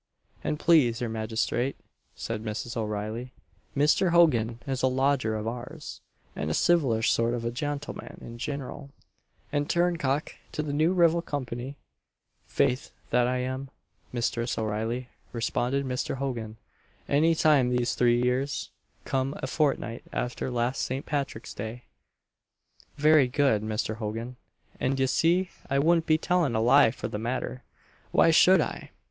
"And please your magistrate," said Mrs. O'Reilly, "Misther Hogan is a lodger of ours, and a civilish sort of a jantleman in gineral, and turncock to the New River Company" "Faith that I am, Misthress O'Reilly," responded Mr. Hogan, "any time these three years come a fortnight after last St. Patrick's day!" "Very good, Misther Hogan; and ye see I wouldn't be telling a lie for the matter why should I?"